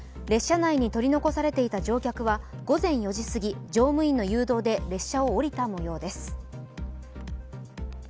列車内に取り残されていた乗客は午前４時すぎ乗務員の誘導で列車を降りた模様です。